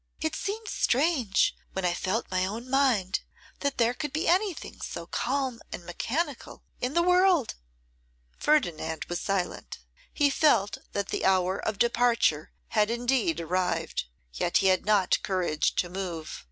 'It seemed strange, when I felt my own mind, that there could be anything so calm and mechanical in the world.' Ferdinand was silent. He felt that the hour of departure had indeed arrived, yet he had not courage to move.